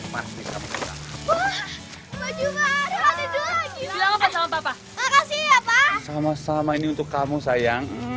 tapi kamu juga pr jangan sampai lupa ya